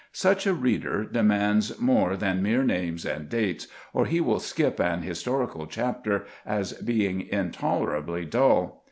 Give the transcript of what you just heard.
Such a reader demands more than mere names and dates, or he will skip an historical chapter as being intolerably dull.